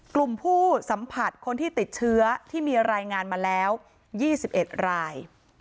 กลุ่มผู้สัมผัสคนที่ติดเชื้อที่มีรายงานมาแล้ว๒๑ราย